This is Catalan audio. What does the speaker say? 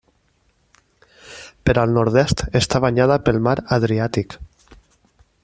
Per al nord-est està banyada pel mar Adriàtic.